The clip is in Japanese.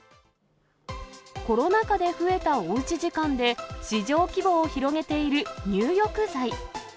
コロナ禍で増えたおうち時間で、市場規模を広げている入浴剤。